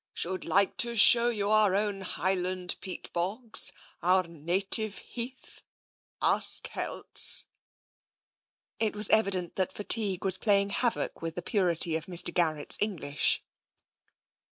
"... Should like to show you our own Highland peat bogs ... our native heath ... us Kelts ..." It was evident that fatigue was playing havoc with the purity of Mr. Garrett's English.